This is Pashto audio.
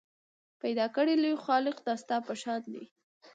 پیدا کړی لوی خالق دا ستا په شان دی